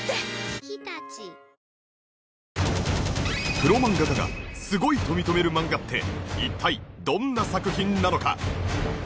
プロ漫画家がすごいと認める漫画って一体どんな作品なのか？